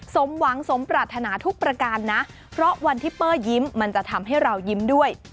สมหวังสมปรารถนาทุกประการนะเพราะวันที่เปอร์ยิ้มมันจะทำให้เรายิ้มด้วย